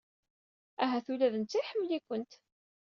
Ahat ula d netta iḥemmel-ikent.